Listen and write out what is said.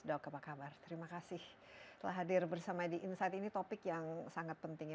dok apa kabar terima kasih telah hadir bersama di insight ini topik yang sangat penting ya